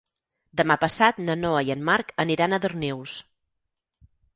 Demà passat na Noa i en Marc aniran a Darnius.